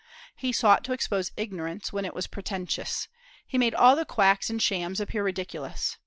He sought to expose ignorance, when it was pretentious; he made all the quacks and shams appear ridiculous.